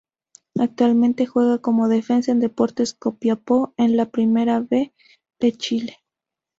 Actualmente juega como defensa, en Deportes Copiapó en la Primera B de Chile.